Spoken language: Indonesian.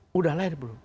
sudah lahir belum